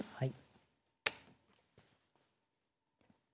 はい。